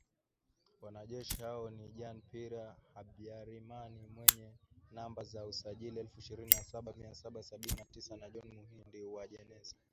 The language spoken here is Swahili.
Wanajeshi hao ni Jean Pierre Habyarimana mwenye namba za usajili elfu ishirini na saba mia saba sabini na tisa na John Muhindi Uwajeneza.